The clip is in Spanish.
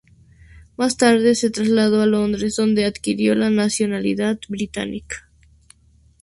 Más tarde se trasladó a Londres, donde adquirió la nacionalidad británica.